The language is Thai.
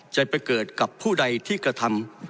จะไปเกิดกับผู้ใดที่กระทำ